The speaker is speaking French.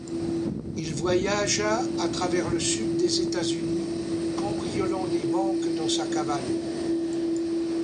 Il voyagea à travers le sud des États-Unis, cambriolant des banques dans sa cavale.